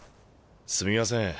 すみません